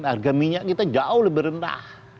harga minyak kita jauh lebih rendah